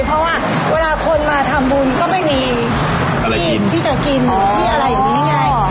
เพราะว่าคนมาทำบุญก็ไม่มีที่จะกินที่อะไรอยู่นี้ไง